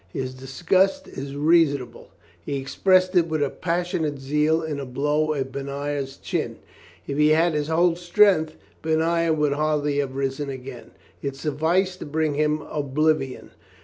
His disgust is reason able. He expressed it with passionate zeal in a blow at Benaiah's chin. If he had had his whole strength Benaiah would hardly have risen again. It sufficed to bring him oblivion.